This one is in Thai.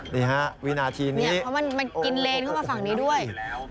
นี่ฮะวินาทีนี้เนี่ยเพราะมันกินเลนเข้ามาฝั่งนี้ด้วย